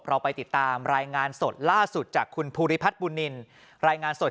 เราไปติดตามรายงานสดล่าสุดจากคุณภูริพัฒน์บุญนินรายงานสด